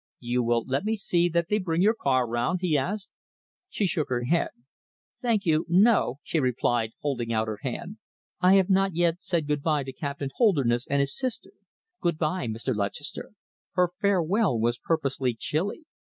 "You will let me see that they bring your car round?" he asked. She shook her head. "Thank you, no," she replied, holding out her hand. "I have not yet said good by to Captain Holderness and his sister. Good by, Mr. Lutchester!" Her farewell was purposely chilly.